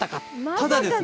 ただですね